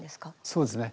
そうですね。